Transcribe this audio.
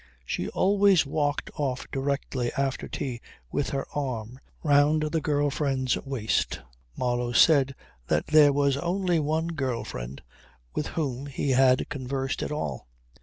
She always walked off directly after tea with her arm round the girl friend's waist. Marlow said that there was only one girl friend with whom he had conversed at all.